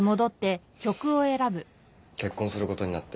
結婚することになって。